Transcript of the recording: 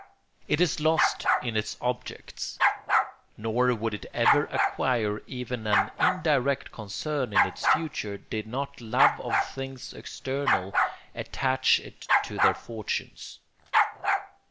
It is lost in its objects; nor would it ever acquire even an indirect concern in its future, did not love of things external attach it to their fortunes.